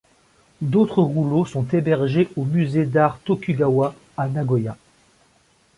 D'autres rouleaux sont hébergés au musée d'art Tokugawa à Nagoya.